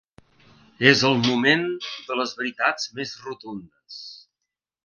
És el moment de les veritats més rotundes.